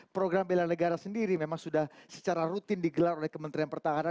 program bela negara sendiri memang sudah secara rutin digelar oleh kementerian pertahanan